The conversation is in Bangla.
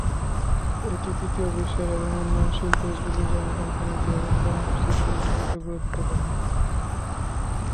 এটি তৃতীয় বিশ্বের এবং উন্নয়নশীল দেশগুলির জনসংখ্যা নীতি এবং কর্মসূচির জন্য বিশেষত গুরুত্বপূর্ণ।